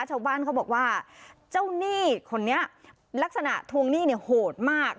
ชาวบ้านเขาบอกว่าเจ้าหนี้คนนี้ลักษณะทวงหนี้เนี่ยโหดมาก